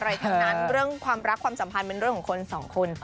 ทั้งนั้นเรื่องความรักความสัมพันธ์เป็นเรื่องของคนสองคน